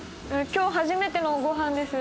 今日初めてのご飯です。